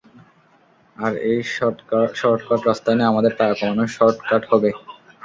আর এই শর্টকাট রাস্তাই না, আমাদের টাকা কামানোর শর্টকাট হবে।